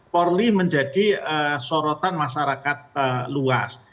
polri menjadi sorotan masyarakat luas